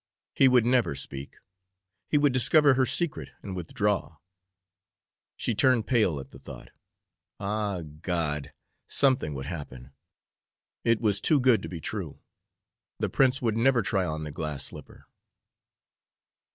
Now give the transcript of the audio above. He would never speak he would discover her secret and withdraw. She turned pale at the thought, ah, God! something would happen, it was too good to be true. The Prince would never try on the glass slipper.